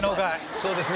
そうですね。